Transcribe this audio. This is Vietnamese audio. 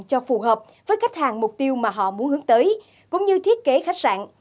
cho phù hợp với khách hàng mục tiêu mà họ muốn hướng tới cũng như thiết kế khách sạn